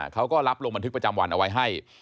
เขาก็รับลงบันทึกประจำวันเอาไว้ให้